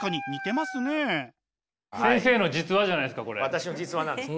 私の実話なんです。